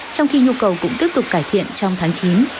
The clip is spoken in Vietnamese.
trong khi nhu cầu cũng tiếp tục cải thiện trong tháng chín